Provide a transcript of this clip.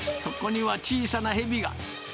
そこには小さなヘビが。